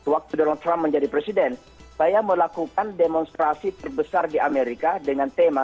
waktu donald trump menjadi presiden saya melakukan demonstrasi terbesar di amerika dengan tema